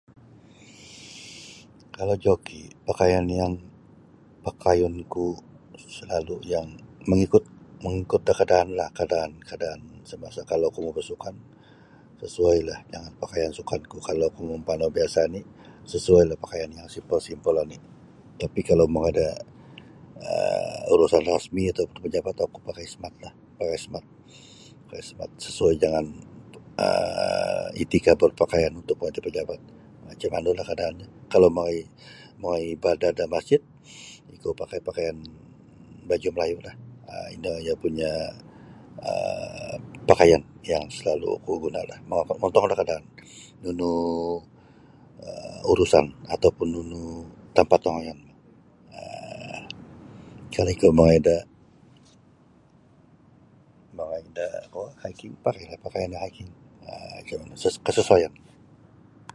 Kalau joki pakaian yang pakayun ku salalu yang mengikut da kaadaan lah kaadaan kaadaan samasa kalau oku mau basukan sesuailah jangan pakaian sukan ku kalau oku mampanau biasa oni sesuai la pakaian yang simple-simple oni tapi kalau mongoi da um urusan rasmi atau pajabat oku pakai smart lah um smart pakai smart sesuai dengan um etika perpakaian untuk ke pajabat macam manu lah kaadaanyo kalau mongoi mongoi beribadah da masjid ikau pakai pakaian baju malayu lah um ino iyo punya um pakaian yang salalu ku guna lah mako mongontong da kaadaan nunu um urusan ataupun nunu tampat ongoiyon um kalau ikau mongoi da mongoi da kuo hiking pakai lah pakaian yang hiking um [unintelligible] kesesuaian.